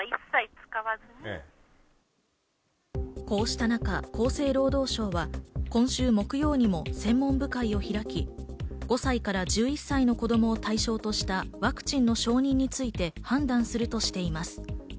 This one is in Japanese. こうしたなか、厚生労働省は今週木曜日にも専門部会を開き、５歳から１１歳の子供を対象としたワクチンの承認について判断するとしています。